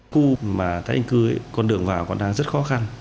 khu mà tái định cư con đường vào còn đang rất khó khăn